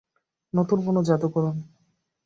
নতুন কোন জাদু করুন।